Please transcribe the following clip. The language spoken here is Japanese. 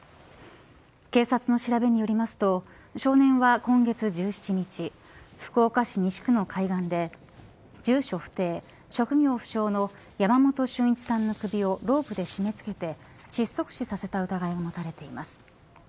警察の調べによりますと少年は今月１７日福岡市西区の海岸で住所不定、職業不詳の山本駿一さんの首をロープで締め付けて窒息死させた疑いが持たれています。